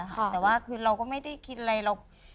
แต่ว่าคือเราก็ไม่ได้คิดอะไรหรอก